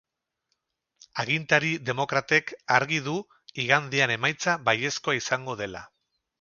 Agintari demokratek argi du igandean emaitza baiezkoa izango dela.